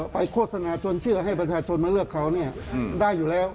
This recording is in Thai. โฆษณาชวนเชื่อให้ประชาชนมาเลือกเขาได้อยู่แล้ว